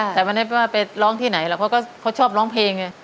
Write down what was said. แต่วันนี้ป๊าไปร้องที่ไหนแล้วเขาชอบร้องเพลงเลย